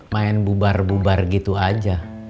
main bubar bubar gitu aja